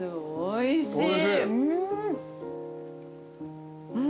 おいしい。